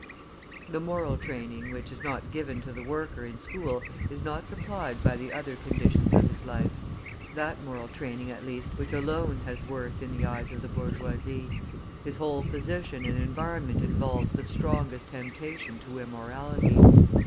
The moral training which is not given to the worker in school is not supplied by the other conditions of his life; that moral training, at least, which alone has worth in the eyes of the bourgeoisie; his whole position and environment involves the strongest temptation to immorality.